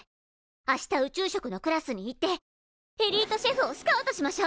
明日宇宙食のクラスに行ってエリートシェフをスカウトしましょう！